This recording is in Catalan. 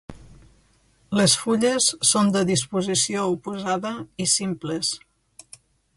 Les fulles són de disposició oposada i simples.